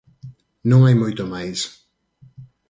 Non hai moito máis.